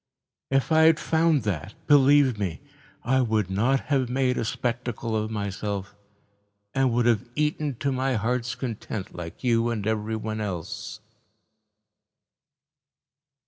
If had found that, believe me, I would not have made a spectacle of myself and would have eaten to my heart's content, like you and everyone else."